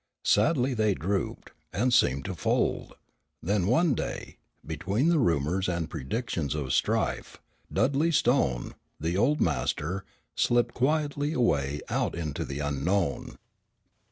Sadly they drooped, and seemed to fold, when one day, between the rumors and predictions of strife, Dudley Stone, the old master, slipped quietly away out into the unknown.